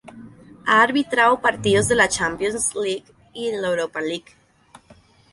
Ha arbitrado partidos de la Champions League y de la Europa League.